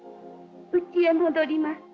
うちへ戻ります。